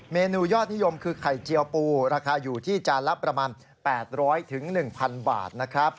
เมนูยอดนิยมคือไข่เจียวปูราคาอยู่ที่จานละประมาณ๘๐๐๑๐๐บาทนะครับ